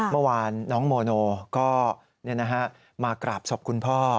เมื่อวานน้องโมโนก็มากราบศพคุณพ่อ